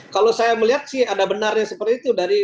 kalau saya melihat sih ada benarnya seperti itu